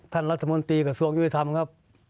รัฐมนตรีกระทรวงยุติธรรมครับ